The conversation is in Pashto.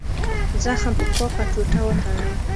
زخم په پاکه ټوټه وتړئ.